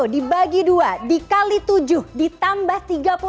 sembilan puluh dibagi dua dikali tujuh ditambah tiga puluh lima